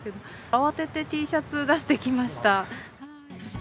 慌ててＴシャツ出してきました。